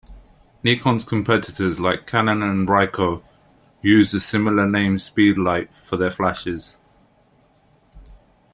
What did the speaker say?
Nikon's competitors like Canon and Ricoh use the similar name Speedlite for their flashes.